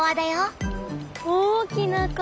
大きな川！